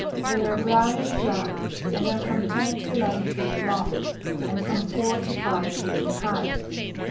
They are brownish black, and are from ten to eleven feet long, and from four to five feet in height.